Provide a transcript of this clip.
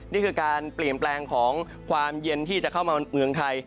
นี่คือการเปลี่ยนแปลงของความเย็นที่จะเข้ามาเมืองไทย